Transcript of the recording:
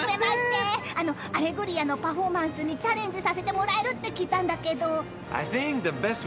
『アレグリア』のパフォーマンスにチャレンジさせてもらえるって聞いたんだけど。